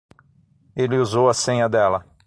Ele usou a senha dela.